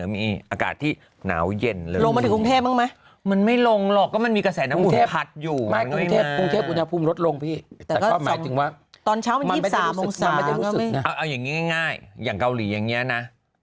เอาอย่างงี้ง่ายอย่างเกาหลีอย่างนี้นะ